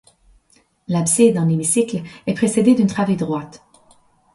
L'abside en hémicycle est précédée d'une travée droite.